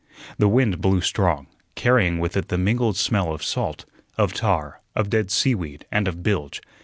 The wind blew strong, carrying with it the mingled smell of salt, of tar, of dead seaweed, and of bilge.